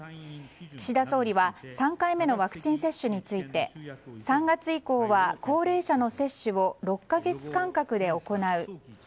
岸田総理は３回目のワクチン接種について３月以降は高齢者の接種を６か月間隔で行う。